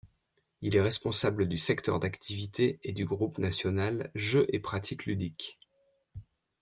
Il est responsable du secteur d'activité et du groupe national Jeux et pratiques ludiques.